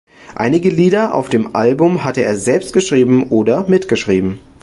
Einige Lieder auf dem Album hatte er selbst geschrieben oder mitgeschrieben.